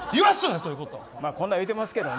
こんなん言うてますけどね。